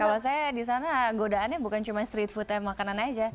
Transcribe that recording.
kalau saya di sana godaannya bukan cuma street food makanan aja